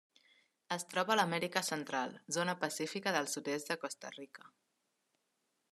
Es troba a l'Amèrica Central: zona pacífica del sud-est de Costa Rica.